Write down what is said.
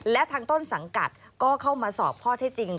และทางต้นสังกัดก็เข้ามาสอบข้อเท็จจริง